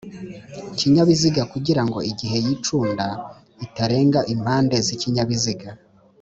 kinyabiziga kugirango igihe yicunda itarenga impande z ikinyabiziga